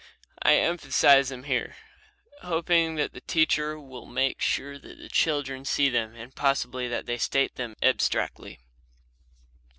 I emphasize them here, hoping that the teacher will make sure that the children see them, and possibly that they state them abstractly.